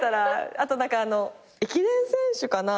あと駅伝選手かな。